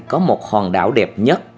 có một hoàng đảo đẹp nhất